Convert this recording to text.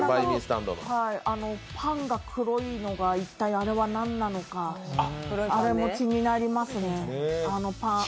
パンが黒いのが一体あれは何なのか、気になりますね、あのパン。